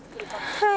はい。